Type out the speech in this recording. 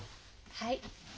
はい。